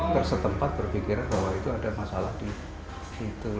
bersetempat berpikiran bahwa itu ada masalah di situ